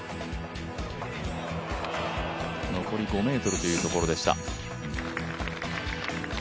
残り５ｍというところでした。